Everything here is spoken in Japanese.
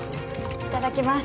いただきます。